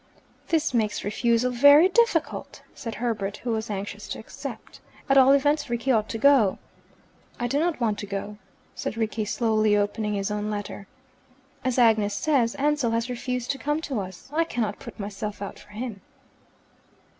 "This makes refusal very difficult," said Herbert, who was anxious to accept. "At all events, Rickie ought to go." "I do not want to go," said Rickie, slowly opening his own letter. "As Agnes says, Ansell has refused to come to us. I cannot put myself out for him."